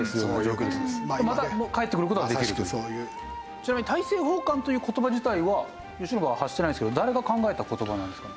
ちなみに「大政奉還」という言葉自体は慶喜は発してないんですけど誰が考えた言葉なんですかね？